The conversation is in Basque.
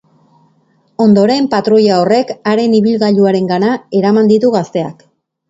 Ondoren, patruila horrek haren ibilgailuarengana eraman ditu gazteak.